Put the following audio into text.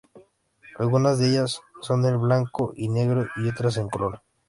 Algunas de ellas son en blanco y negro y otras en color.